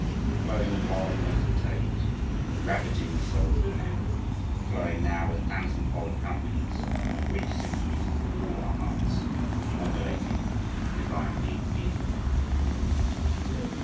] flowing in wild, native tones, ravaging the souls of men, flowing now with thousand fold accompaniments and rich symphonies through all our hearts; modulating and divinely leading them.